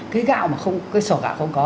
cái gạo mà không cái sổ gạo không có